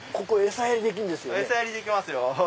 餌やりできますよ。